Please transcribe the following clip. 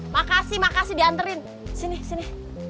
makasih makasih dianterin sini sini